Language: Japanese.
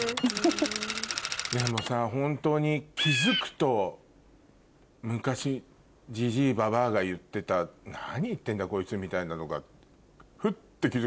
でもさホントに気付くと昔ジジイババアが言ってた何言ってんだこいつみたいなのが。